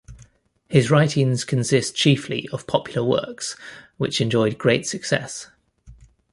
His writings consist chiefly of popular works, which enjoyed great success.